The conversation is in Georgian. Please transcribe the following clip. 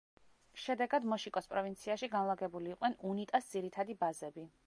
შედეგად მოშიკოს პროვინციაში განლაგებული იყვნენ უნიტას ძირითადი ბაზები.